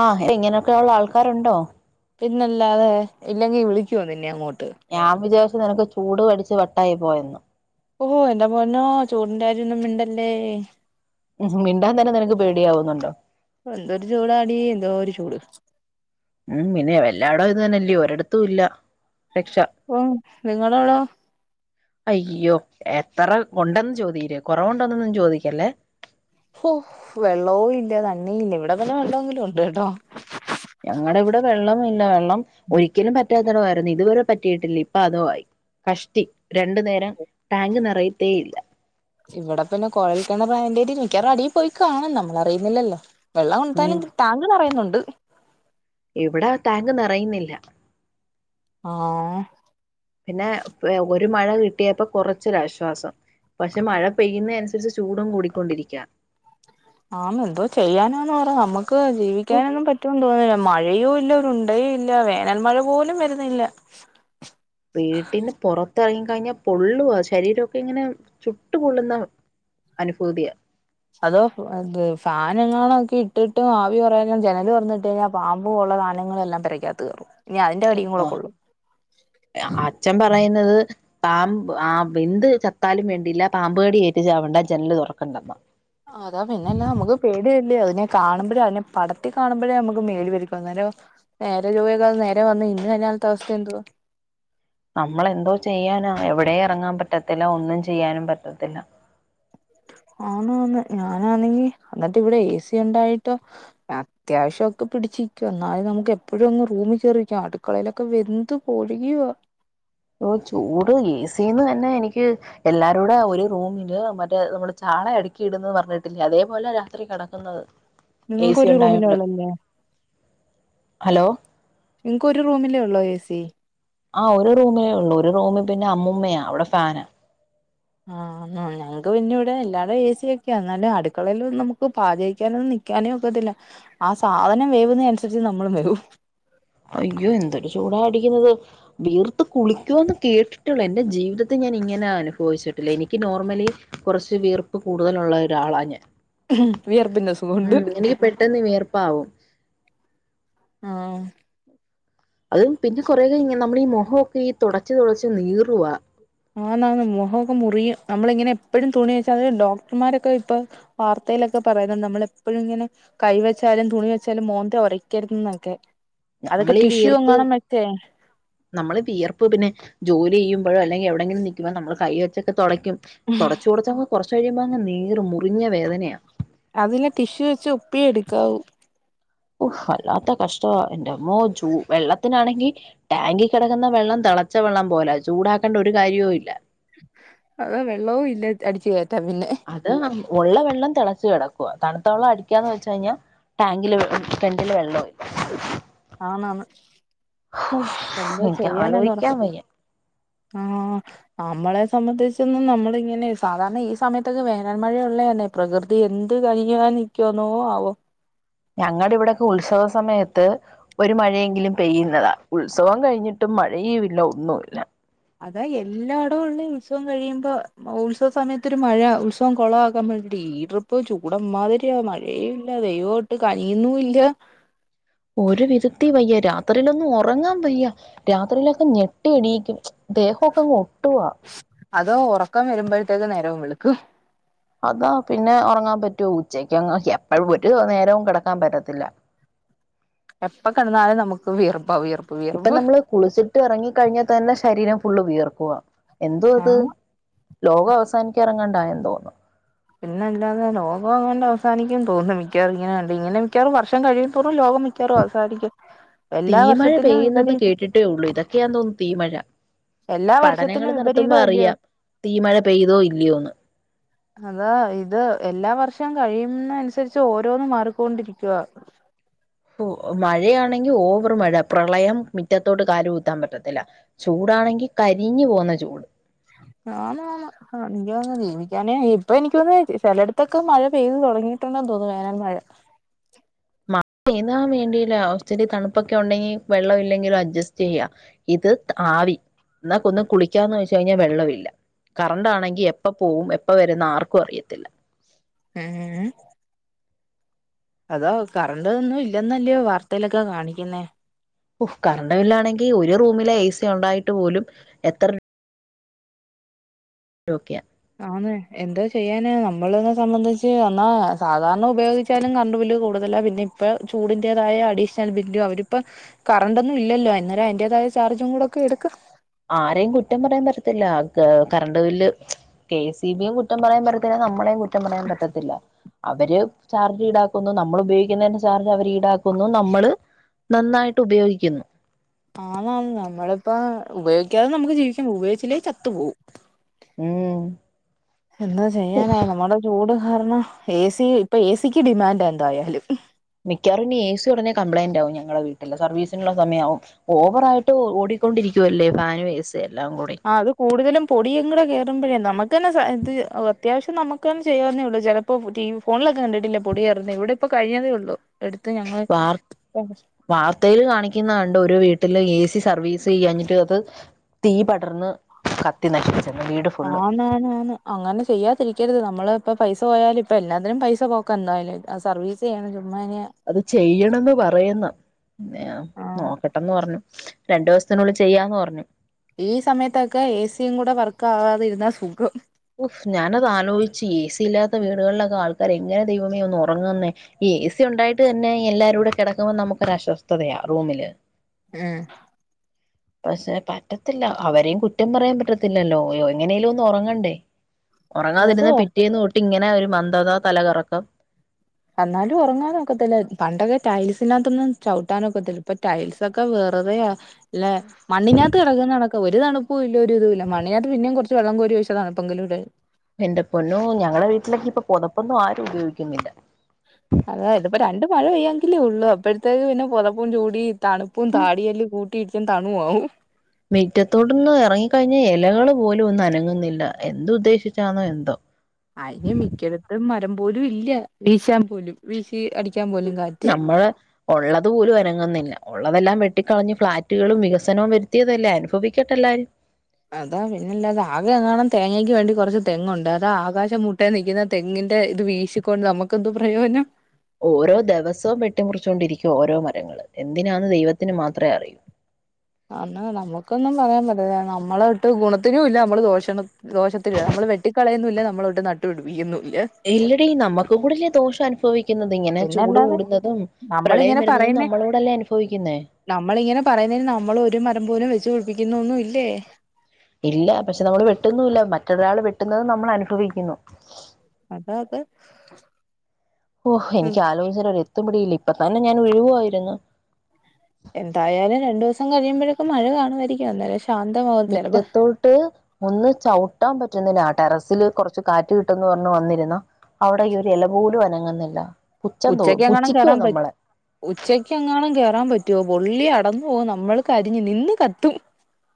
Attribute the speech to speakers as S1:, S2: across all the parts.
S1: ആഹ ഇങ്ങനെയൊക്കെയുളള ആൾക്കാരുണ്ടോ.
S2: പിന്നല്ലാതെ ഇല്ലെങ്കിൽ വിളിക്കുമോ നിന്നെ അങ്ങോട്ട്.
S1: ഞാൻ വിചാരിച്ചു നിനക്ക് ചൂട് പിടിച്ച് വട്ടായി പോയെന്ന്.
S2: ഓഹോ എന്റെ പൊന്നോ ചൂടിന്റെ കാര്യം ഒന്നും മിണ്ടല്ലേ.
S1: മിണ്ടാൻ തന്നെ നിനക്ക് പേടിയാവുന്നുണ്ടോ.
S2: എന്തോരു ചൂടാടി എന്തോരു ചൂട്.
S1: ഉം പിന്നെ എല്ലായിടവും ഇത് തന്നെല്ലേ ഒരിടത്തുമില്ല രക്ഷ.
S2: ഓ നിങ്ങടെ അവിടോ.
S1: അയ്യോ എത്ര ഒണ്ടന്ന് ചോദിക്ക് കൊറവുണ്ടോന്നൊും ചോദിക്കല്ലേ.
S2: ഓ വെള്ളവും ഇല്ല തണ്ണീ ഇല്ല ഇവിടെ പിന്നെ വെളളം എങ്കിലും ഒണ്ട് കേട്ടോ.
S1: ഞങ്ങളടെ ഇവിടെ വെള്ളവും ഇല്ല വെള്ളം ഒരിക്കലും പറ്റാത്തടവായിരുന്നു ഇതുവരെ പറ്റിയിട്ടില്ല ഇപ്പൊ അതും ആയി. കഷ്ടി രണ്ടു നേരം ടാങ്ക് നെറയത്തേ ഇല്ല.
S2: ഇവിടെ പിന്നെ കൊഴൽക്കിണർ ആയതിന്റെ പേരിൽ മിക്കവാറും അടിയിൽ പോയി കാണണം നമ്മള് അറിയുന്നില്ലല്ലോ. വെള്ളം
S1: ഉം
S2: ഒണ്ടായാലും ടാങ്ക് നെറയുന്നുണ്ട്.
S1: ഇവിടെ ടാങ്ക് നെറയുന്നില്ല.
S2: ആഹ ഉം
S1: പിന്നെ ഒരു മഴ കിട്ടിയപ്പ കൊറച്ചൊരു ആശ്വാസം. പക്ഷെ മഴ പെയ്യുന്നത് അനുസരിച്ച് ചൂടും കൂടിക്കൊണ്ടിരിക്കുവ.
S2: ആന്ന് എന്തോ ചെയ്യാനാന്ന് പറ നമുക്ക് ജീവിക്കാനൊന്നും പറ്റുമെന്ന് തോന്നുന്നില്ല മഴ- മഴയും ഇല്ല ഒരു ഉണ്ടയും ഇല്ല വേനൽ മഴ പോലും വരുന്നില്ല.
S1: വീട്ടിന് പൊറത്തിറങ്ങി കഴിഞ്ഞാ പൊള്ളുവ ശരീരമൊക്കെ ഇങ്ങനെ ചുട്ട് പൊള്ളുന്ന- അനുഭൂതിയാ
S2: അതോ ഫാനും എങ്ങാനം ഇട്ടിട്ട് ആവി കൊറയാഞ്ഞ് ജനല് തൊന്നിട്ട് കഴിഞ്ഞാൽ- പാമ്പും ഉള്ള സാധനങ്ങളും എല്ലാം പെരയ്ക്കകത്ത് കയറും ഇനി അതിന്റെ അടിയും കൂടെ കൊള്ളും.
S1: അച്ച്ചൻ പറയുന്നത്- പാമ്പ് ആ വെന്ത് ചത്താലും വേണ്ടിയേല പാമ്പുകടി ഏറ്റ് ചാവണ്ട ജനല് തൊറക്കണ്ടെന്ന്.
S2: ആ അതാ പിന്നെല്ല നമ്മുക്ക് പേടിയല്ലേ അതിനെ കാണുമ്പോഴും അതിനെ പടത്തി കാണുമ്പോഴേ നമുക്ക് മേല് പെരുക്കും അന്നേരവോ നേരെ ചൊവെ നേരെ വന്നു നിന്ന് കഴിഞ്ഞാലുള്ള അവസ്ഥ എന്തുവ.
S1: നമ്മളെന്തോ ചെയ്യാന എവിടേം എറങ്ങാൻ പറ്റത്തില്ല ഒന്നും ചെയ്യാനും പറ്റത്തില്ല.
S2: ആന്ആന് ഞാനാണെങ്കി എന്നിട്ട് ഇവിടെ എസി ഒണ്ടായിട്ടോ- അത്യാവശ്യം ഒക്കെ പിടിച്ചിനിക്കും എന്നാലും നമുക്ക് എപ്പോഴും ഒന്ന് റൂമിൽ കയറിയിരിക്കാൻ അടുക്കളയിലൊക്കെ വെന്ത് പുഴുങ്ങുവ
S1: ഓഹ് ചൂട് എ സിന്ന് തന്നെ എനിക്ക്- എല്ലാരൂടെ ഒരു റൂമില് മറ്റേ ചാള അടുക്കിയിടുന്നന്ന് പറഞ്ഞിട്ടില്ലേ അതേപോലെ രാത്രി കെടക്കുന്നത്. [inaudible]
S2: നിങ്ങൾക്ക്‌ ഒരു റൂമിനോ ഉള്ളൂയല്ലേ
S1: ഹലോ
S2: നിങ്ങക്ക് ഒരു റൂമിലേ ഉള്ളൂ എ സി.
S1: ആ ഒരു റൂമിലേ ഉള്ളൂ ഒരു റൂമിൽ പിന്നെ അമ്മൂമ്മയാ അവിടെ ഫാനാ.
S2: ആഹ് ആ ഞങ്ങക്ക് പിന്നെ ഇവിടെ എല്ലാടും എ സിയൊക്കെയാ എന്നാലും അടുക്കളയിലും നമുക്ക് പാചകിക്കാനൊന്നും നിൽക്കാനേ ഒക്കത്തില്ല. ആ സാധനം വേവുന്നതിന് അനുസരിച്ച് നമ്മളും വെവും.
S1: അയ്യോ എന്തൊരു ചൂടാ അടിക്കുന്നത്. വിയർത്ത് കുളിക്കുവെന്ന് കേട്ടിട്ടെയുള്ളൂ എന്റെ ജീവിതത്തിൽ ഞാൻ ഇങ്ങനെ അനുഭവിച്ചിട്ടില്ല എനിക്ക് നോർമലി- കൊറച്ച് വിയർപ്പ് കൂടുതലുള്ള ഒരാളാ ഞാൻ.
S2: വിയർപ്പിന്റെ അസുഖം കൊണ്ട്
S1: പെട്ടെന്ന് വീയർപ്പാവും.
S2: ആഹ്
S1: അത് പിന്നെ കുറേ നമ്മൾ ഈ മുഖമൊക്കെ ഈ തുടച്ച് തുടച്ച് നീറുവാ
S2: ആന്ന് ആന്ന് മുഖ ഒക്കെ മുറിയ നമ്മളി ഇങ്ങനെ എപ്പോഴും തുണി വെച്ചാ അത് ഡോക്ടർമാരൊക്കെ ഇപ്പൊ വാർത്തയിലൊക്കെ പറയുന്നത് നമ്മള എപ്പോഴും ഇങ്ങനെ കൈ വെച്ചാലും തുണി വെച്ചാലും മോന്ത ഉരക്കരുത് എന്നൊക്കെ അത്
S1: നമ്മളീ
S2: ടിഷ്യൂ
S1: വിയർപ്പ്
S2: എങ്ങണ വെച്ചേ
S1: നമ്മള് വിയർപ്പ് പിന്നെ ജോലി ചെയ്യുമ്പഴോ അല്ലെങ്കി എവിടെങ്കിലും നിക്കുമ്പോ നമ്മ കൈ വെച്ച തുടക്കും തുടച്ച് തുടച്ചങ്ങ് കുറച്ച് കഴിയുമ്പോ നീറും മുറിഞ്ഞ വേദനയാ
S2: അതില് ടിഷ്യു വെച്ച് ഉപ്പി എടുക്കാവൂ
S1: ഒ വല്ലാത്ത കഷ്ടവാ എന്റെമ്മോ ചൂ വെള്ളത്തിനാണെങ്കി ടാങ്കി കിടക്കുന്ന വെള്ളം തെള തെളച്ചവെള്ളം പോലെയാ ചൂടാക്കേണ്ട ഒരു കാര്യവും ഇല്ല
S2: അതെ വെള്ളവും ഇല്ല അടിച്ചു കയറ്റാ പിന്നെ
S1: അത് ഉള്ള വെള്ളം തിളച്ചു കിടക്കുവ തണുത്ത വെള്ളം അടിക്കാന്ന് വെച്ച് കഴിഞ്ഞാൽ ടാങ്കില് കെണറില് വെള്ളവും ഇല്ല
S2: ആണാണ് എന്തോ
S1: ഇൻക്ക്
S2: ചെയ്യാനാന്ന് പറ
S1: ആലോയിക്കാൻ വയ്യ
S2: ആഹ് നമ്മളെ സംബന്ധിച്ചൊന്നും നമ്മളെ ഇങ്ങനെ സാധാരണ ഈ സമയത്തൊക്കെ വേനൽ മഴ ഉള്ളത് തന്നെ പ്രകൃതി എന്ത് കനഞ്ഞാൻ നിക്കാന്നോ ആവോ
S1: ഞങ്ങളുടെ ഇവിടെ ഒക്കെ ഉത്സവ സമയത്ത് ഒരു മഴയെങ്കിലും പെയ്യുന്നതാ ഉത്സവം കഴിഞ്ഞിട്ട് ട്ടും മഴയും ഇല്ല ഒന്നു ഇല്ല
S2: അതാ എല്ലാ ഇടവും ഉള്ള ഉത്സവം കഴിയുമ്പോ ഉത്സവ സമയത്തൊരു മഴ ഉത്സവം കുളവാക്കാൻ വേണ്ടിയിട്ട് ഇപ്പോ ചൂട എമ്മാതിരിയാ മഴയും ഇല്ല ദൈവോ ഒട്ട് കനിയുന്നും ഇല്ല
S1: ഒരു വിധത്തി വയ്യ രാത്രിയിലൊന്നും ഉറങ്ങാൻ വയ്യ രാത്രിയിലൊക്കെ ഞെട്ടി എണീക്കും ദേഹമൊക്കെ അങ്ങ് ഒട്ടുവാ
S2: അതോ ഉറക്കം വരുമ്പോഴത്തേക്ക് നേരവും വെളുക്കും
S1: അതാ പിന്നെ ഉറങ്ങാൻ പറ്റുമോ ഉച്ചക്കങ്ങ് എപ്പോഴും ഒരു നേരവും കിടക്കാൻ പറ്റത്തില്ല
S2: എപ്പൊ കിടന്നാലും നമുക്ക് വിയർപ്പാ വയർ
S1: ഇപ്പൊ നമ്മള് കുളിച്ചിട്ട് ഇറങ്ങി കഴിഞ്ഞാൽ തന്നെ ശരീരം ഫുള്ള് വിയർക്കുക എന്തോ ഇത്
S2: ആഹ്
S1: ലോകം അവസാനിക്ക ഇറങ്ങണ്ടായന്ന് തോന്നുന്നു
S2: പിന്നെ അല്ലാതെ ലോകങ്ങാണ്ട് അവസാനിക്കും തോന്നുന്നു മിക്കവാറും ഇങ്ങനെ കണ്ട് ഇങ്ങനെ മിക്കവാറും വർഷം കഴിയും തോറും ലോകം മിക്കവാറും അവസാനിക്കും
S1: തീ
S2: എല്ലാ
S1: മഴ
S2: വർഷത്തിലും
S1: പെയ്യുന്നെന്ന്
S2: വിപരീത
S1: കേട്ടിട്ടേ ഉള്ളു ഇതൊക്കെയാ തോന്നുന്നു തീമഴ
S2: എല്ലാ
S1: പഠനങ്ങൾ
S2: വർഷത്തിലും
S1: നടത്തുമ്പോ
S2: വിപരീതം അല്ലയോ
S1: അറിയാം തീ മഴ പെയ്തോ ഇല്ലയോന്ന്
S2: അതാ ഇത് എല്ലാ വർഷവും കഴിയുന്ന അനുസരിച്ച് ഓരോന്ന് മാറിക്കൊണ്ടിരിക്കുവാ
S1: മഴയാണെങ്കിൽ ഓവർ മഴ പ്രളയം മിറ്റത്തോട് കാല് കുത്താൻ പറ്റത്തില്ല ചൂടാണെങ്കിൽ കരിഞ്ഞു പോകുന്ന ചൂട്
S2: ആന്ന് ആന്ന് ആഹ് എനിക്ക് തോന്നുന്ന് ജീവിക്കാനേ ഇപ്പൊ എനിക്ക് തോന്നുന്നു ചിലയിടത്തൊക്കെ മഴ പെയ്ത് തുടങ്ങിയിട്ടുണ്ടെന്ന് തോന്നുന്നു വേനൽ മഴ
S1: ചെയ്താൻ വേണ്ടിയില്ല ഒത്തിരി തണുപ്പൊക്കെ ഉണ്ടെങ്കി വെള്ളം ഇല്ലെങ്കിലും അഡ്ജസ്റ്റ് ചെയ്യാം ഇത് ആവി എന്നാക്ക് ഒന്ന് കുളിക്കാന്ന് വെച്ച് കഴിഞ്ഞാൽ വെള്ളമില്ല കറണ്ടണാങ്കി എപ്പ പോവും എപ്പ വരെന്ന് ആർക്കും അറിയത്തില്ല
S2: ഏഹ് അതോ കറണ്ട് ഒന്നും ഇല്ലന്നല്ലയോ വാർത്തയിലൊക്കെ കാണിക്കുന്നേ
S1: കറണ്ട് ബില്ലാണെങ്കിൽ ഒരു റൂമിലെ എ സി ഉണ്ടായിട്ട് പോലും എത്ര ടൊക്കിയാ
S2: ആന്ന് എന്തോ ചെയ്യാനാ നമ്മള് എന്നെ സംബന്ധിച്ച് എന്നാ സാധാരണ ഉപയോഗി കറണ്ട് ബില്ല് കൂടുതലാ പിന്നെ ഇപ്പ ചൂടിൻ്റെതായ അഡീഷണൽ ബില്ല് അവരിപ്പ കറണ്ട ഒന്നും ഇല്ലോ അന്നരം അതിന്റേതായ ചാർജും കൂടെക്കെ എടുക്കു
S1: ആരേയും കുറ്റം പറയാൻ പറ്റത്തില്ല കറണ്ട് ബില്ല് കെ സി ബിയും കുറ്റം പറയാൻ പറ്റത്തില്ല നമ്മളേ കുറ്റം കുറ്റം പറയാൻ പറ്റത്തില്ല അവര് ചാർജ് ഈടാക്കുന്നു നമ്മൾ ഉപയോഗിക്കുന്നതി ചാർജ് അവർ ഈടാക്കുന്നു നമ്മള്
S2: നന്നായിട്ട് ആഹ് നമ്മളിപ്പ ഉപയോഗിക്കാതെ നമക്ക് ജീവിച്ച് പോകും ഉപയോഗിച്ചില്ലേ ചത്തു പോവും
S1: ഉം
S2: എന്താ ചെയ്യാനാ നമ്മടെ ചൂട് കാരണം ഏസിക്ക് ഡിമാന്റാ എന്തായാലും
S1: മിക്കാവാറും ഇനി ഏസി ഉടനെ കംപ്ലയന്റ ആവും ഞങ്ങളെ വീട്ടില് സർവീസിനുള്ള സമയയാവും ഓവറായിട്ട് ഓടിക്കൊണ്ടിരിക്കുവല്ലേ ഫാന് ഏസി എല്ലാം കൂടി
S2: ആ അത് കൂടുതലും പൊടി ങ്ങടെ കേറുമ്പോഴേ നമക്ക് തന്നെ ഇത് അത്യാവശ്യം നമക്ക്ന്നെ ചെയ്യാവന്നേ ഉള്ളൂ ജ ഇപ്പൊ ഫോണിലൊക്കെ കണ്ടിട്ടില്ലെ പൊടി കേറ്ന്നെ ഇവിടെ ഇപ്പോ കഴിഞ്ഞതേഉള്ളു എടുത്ത് ഞങ്ങള്
S1: വാർ വാർത്തയിൽ കാണിക്കുന്ന കണ്ട് ഒരു വീട്ടില് ഏസി സർവീസ് ചിയ്യാഞ്ഞിട്ട് അത് തീ പടർന്ന് കത്തി നശിപ്പിച്ചെന്ന് വീട് ഫുള്ള്
S2: ആണ് അങ്ങനെ ചെയ്യാതിരിക്കരുത് നമ്മള് ഇപ്പ പൈസ പോയാലും എല്ലാത്തിനും പൈസ പോക്ക എന്തായാലും ആ സർവീസ് ചുമ്മാഇനി
S1: അത് ചെയ്യണംന്ന് പറയന്ന അതെ
S2: ആ
S1: നോക്കട്ടെന്ന് പറഞ്ഞു രണ്ടു ദിവസത്തിനുള്ളി ചെയ്യാന്ന് പറഞ്ഞു
S2: ഈ സമയത്തൊക്കെ ഏസിയും കൂടെ വർക്കാവാതിരുന്ന സുഖം
S1: ഉഫ് ഞാനത് ആലോചിച്ച് ഏസി ഇല്ലാത്ത വീടുകളിലൊക്കെ ആൾക്കാർ എങ്ങനെ ദൈവമേ ഒന്ന് ഒറങ്ങന്നേ ഏസി ഉണ്ടായിട്ട് തന്നെ എല്ലാരൂടെ കിടക്കുമ്പോ നമക്ക് ഒരുസ്വസ്ഥതയാ റൂമില്
S2: ഉം
S1: പക്ഷെ പറ്റത്തില്ല അവരെയും കുറ്റം പറയാൻ പറ്റത്തില്ലല്ലോ എങ്ങനേലും ഒന്നും ഉറങ്ങണ്ടേ
S2: അതോ
S1: ഉറങ്ങാതിരുന്ന പിറ്റേന്ന് തൊട്ടി ഇങ്ങനെ ഒരു മന്ദത തലകറക്കം
S2: എന്നാലും ഒനോ റങ്ങാക്കത്തില്ല പണ്ടൊക്കെ ടൈൽസിനകത്തൊന്നും ചവിട്ടാനൊക്കത്തില്ല ഇപ്പ ടൈൽസ് വെറുതെയ അല്ലെ മണ്ണിന പൊറത്ത് നടക്ക ഒരു തണുപ്പും ഇല്ല ഒരു ഇതു ഇല്ല മണിനകത്ത് പിന്നെ കൊറേ വള്ളം കോരി വച്ചാ
S1: എന്റെ പൊന്നോ ഞങ്ങളെ വീട്ടിലേക്കെ ഇപ്പൊ പോതപ്പൊന്നും ആരും ഉപയോഗിക്കുന്നില്ല
S2: അതെ ഇതിപ്പോ രണ്ട് മഴ പെയ്യെങ്കിലേ ഉള്ളു അപ്പോഴത്തേക്ക് പിന്നെ പോതപ്പും ചൂടി തണുപ്പും താടിയെല്ലാം കൂട്ടിയിടച്ച തണു ആവും
S1: മീറ്റത്തോടൊന്ന ഇറങ്ങിക്കഴിഞ്ഞ ഇ ലകൾ പോലും ഒന്നും അനങ്ങുന്നില്ല എന്ത് ഉദ്ദേശിച്ചാണോ എന്തോ
S2: അയിന് മിക്കടത്തും മരം പോലും ഇല്ല വീശാൻ പോലും വീശി അടി
S1: ഉം നമ്മള് ഉള്ളത് പോലും അനങ്ങുന്നില്ല ഉള്ളതെല്ലാം വെട്ടിക്കളഞ്ഞ് ഫ്ളാറ്റുകളും വികസനോ വരുത്തിയതല്ലേ അനുഭവിക്കട്ടെല്ലരും
S2: അതാ പിന്നെല്ലാത് ആകെ എറങ്ങണം തേങ്ങക്ക് വേണ്ടി കോറച്ച് തെങ്ങുണ്ട് അതാ ആകാശം മുട്ടേ നിക്കുന്ന തെങ്ങിന്റെ ഇത് വീശിക്കൊണ്ട് നമക്കന്തോ പ്രയോജനം
S1: ഓരോ ദേവസോം വെ ട്ടിമുറിച്ചുൊണ്ടിരിക്കുവോ ഓരോ മരങ്ങൾ എന്തിനാന്ന് ദൈവത്തിന് മാത്രെ അറിയൂ
S2: അന്ന് നമ്മക്കൊന്നും പറയാൻ പറ്റില്ല നമ്മളട്ട് ഗുണത്തിനും ഇല്ല നമ്മള് ദോഷണ ദോഷത്തില്ല നമ്മൾ വെട്ടിക്കളയുന്നില്ല നമ്മളോട്ട് നട്ടു പിടിപ്പിക്കുന്നു ഇല്ല
S1: ഇല്ലടി നമക്ക് കൂടിയല്ലെ ദോഷം അനുഭവിക് ഇങ്ങനെ ചൂട്
S2: പിന്നല്ലാതെ
S1: കൂടുന്നതും പ്രളയം
S2: നമ്മളിങ്ങനെ
S1: വരുന്നതും
S2: പറയുന്നേ
S1: നമ്മളൂടല്ലേ അനുഭവിക്കുന്നേ
S2: നമ്മളിങ്ങനെ പറയുന്നന് നമ്മൾ ഒരു മരം പോലും വെച്ച് പിടിപ്പിക്കൂന്നൊന്നു ഇല്ലേ
S1: ഇല്ല പക്ഷെ നമ്മൾ വെട്ടുന്നുല്ല മറ്റൊരാൾ വെട്ടുന്നത് നമ്മൾ അനുഭവിക്കുന്നു
S2: അതെ അതെ
S1: ഓഹ് എനിക്ക് ആലോജിചിട്ട് ഒരെത്തും പിടിയില്ല ഇപ്പ തന്നെ ഞാൻ ഉരുകുവാ ഇരുന്ന്.
S2: എന്തായാലും രണ്ടൂസം കഴിയുമ്പഴൊക്കെ മഴ കാണുമായിരിക്കും അന്നേനേ ശാന്തമാ
S1: മിറ്റത്തോട്ട് ഒന്ന് ചവിട്ടാൻ പറ്റുന്നില്ല ആ ടെറസില് കൊറച്ച് കാറ്റ് കിട്ടുംന്ന് പറഞ്ഞ് വന്നിരുന്നാ അവിടെ ഈ ഒരു എല പോലും അനങ്ങുന്നില്ല പുഛം തോ പുഛിക്കുവ നമ്മളെ.
S2: ഉച്ചക്ക് എങ്ങാനും കേറാൻ പറ്റുവോ പൊള്ളി അടന്ന്പോകും നമ്മൾക്ക് കരിഞ്ഞ് നിന്ന് കത്തും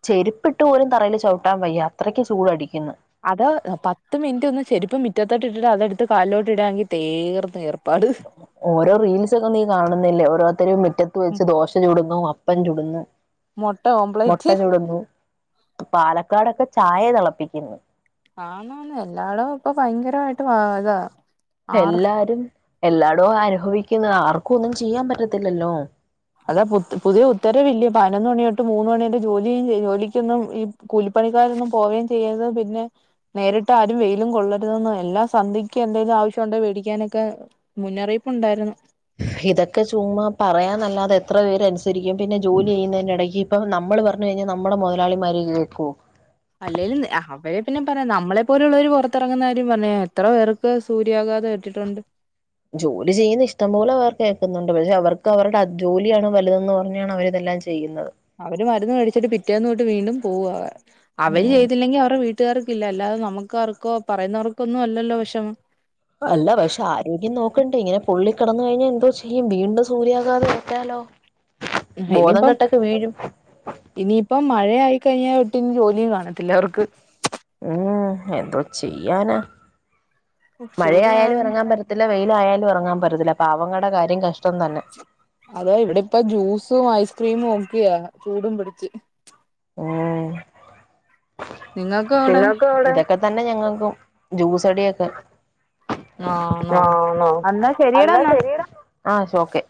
S1: ചെരുപ്പിട്ട് പോലും തറയില് ചവിട്ടാൻ വയ്യ അത്രക്ക് ചൂടടിക്ക്ന്ന്.
S2: അതാ. പത്ത് മിനിറ്റ് ഒന്ന് ചെരിപ്പം മിറ്റത്തോട്ട് ഇട്ടിട്ട് അതെടുത്ത് കാലിലോട്ട് ഇടാങ്കി തീർന്ന് ഏർപ്പാട്.
S1: ഓരോ റീൽസൊക്കെ നീ കാണുന്നില്ലേ ഓരോത്തരും മുറ്റത്ത് വെച്ച് ദോശ ചൂടുന്നു, അ പ്പൻ ചുടുന്നു,
S2: മുട്ട
S1: മൊട്ട
S2: ഓംപ്ലേറ്റ്
S1: ചുടുന്നു. പാലക്കാടൊക്കെ ചായെ തിളപ്പിക്കുന്ന്.
S2: ആണ് ആണ് എല്ലാടോം ഇപ്പൊ ഭയങ്കരമായിട്ട് വാ ഇതാ. ആറ്
S1: എല്ലാരും എല്ലായിടോ അനുഭവിക്കുന്ന ആർക്കും ഒന്നും ചെയ്യാൻ പറ്റത്തില്ലല്ലോ
S2: അതാ പുത് പുതിയ ഉത്തരവില്ല്യോ പതിനൊന്ന് മണിയോട്ട് മൂന്ന് മണിയോട്ട് ജോലിയും ജോലിക്കൊന്നും ഈ കൂലിപ്പണിക്കാരൊന്നും പോവേം ചെയ്യരുത് പിന്നെ നേരിട്ട് ആരും വെയിലും കൊള്ളരുതന്നും എല്ലാം സന്ധ്യക്കും എന്തേങ്കിലും ആവശ്യം ഉണ്ടേ വേടിക്കാനൊക്കെ. മുന്നറിയിപ്പ്ണ്ടായിരുന്നു.
S1: ഇതൊക്കെ ചുമ്മ പറയാന്നല്ലാതെ എത്ര പേരനുസരിക്കും, പിന്നെ ജോലി ചെയ്യുന്നതിൻ്റെടയ്ക്ക് ഇപ്പം നമ്മൾ പറഞ്ഞു കഴിഞ്ഞാ നമ്മടെ മുതലാളിമാര് കേക്കോ.
S2: അല്ലേലും അഹ അവരെ പിന്നെ പറയാം. നമ്മളെ പോലുള്ളവര് പുറത്തിറങ്ങുന്ന കാര്യം പറയാ എത്ര പേർക്ക് സൂര്യാഘാതം ഏറ്റിറ്റുണ്ട്.
S1: ജോലി ചെയ്യുന്ന ഇഷ്ടം പോലെ പേർക്ക് ഏക്കുന്നുണ്ട്. പക്ഷെ അവർക്ക് അവരുടെ അധ്വാ ജോലിയാണ് വലുതെന്ന് പറഞ്ഞാണ് അവരതെല്ലാം ചെയ്യുന്നത്.
S2: അവര് മരുന്ന് മേടിച്ചിട്ട് പിറ്റേന്ന് തൊട്ട് വീണ്ടും പോവാ. അവര്
S1: ഉം
S2: ചെയ്തില്ലെങ്കി അവറെ വീ ട്ടുകാർക്കില്ല. അല്ലാതെ നമുക്കാർക്കോ പറയുന്നവർക്കൊ ഒന്നും അല്ലല്ലോ വെഷമം.
S1: അല്ല പക്ഷെ ആരോഗ്യം നോക്കണ്ടേ. ഇങ്ങനെ പൊള്ളി കിടന്ന് കഴിഞ്ഞാ എന്തോ ചെയ്യും. വീണ്ടും സൂര്യാഘാതം ഏറ്റാലോ.
S2: ഉം
S1: ബോധം
S2: ഇനിപ്പം
S1: കെട്ടൊക്കെ വീഴും
S2: ഇനിയിപ്പം മഴ ആയി കഴിഞ്ഞാ ഒട്ടിനി ജോലിയും കാണത്തില്ല അവർക്ക്.
S1: ഉം എന്തോ ചെയ്യാനാ
S2: ചൂട്
S1: മഴയായാലും
S2: കാരണം
S1: ഇറങ്ങാൻ പറ്റ ത്തില്ല വെയിലായാലും ഇറങ്ങാൻ പറ്റത്തില്ല. പാവങ്ങടെ കാര്യം കഷ്ടം തന്നെ.
S2: അതെ. ഇവിടെ ഇപ്പ ജ്യൂസും ഐസ്ക്രീമും ഒക്കിയാ ചൂടും പിടിച്ച്.
S1: ഊം
S2: നിങ്ങക്ക് അവിടെ
S1: ഇതൊക്കെ തന്നെ ഞങ്ങക്കും ജ്യൂസടിയൊക്കെ. ആണോ
S2: എന്നാ ശരിയടാ
S1: അന്നാ
S2: എന്നാ
S1: ശരിയെടാ ആഹ് ശോക്കെ.